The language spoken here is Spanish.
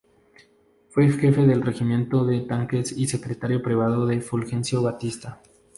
Fue Jefe del regimiento de Tanques y secretario privado de Fulgencio Batista.